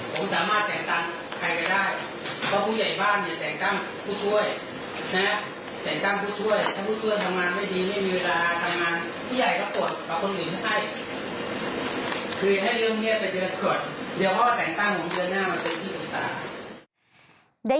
ผมสามารถแต่งตั้งใครก็ได้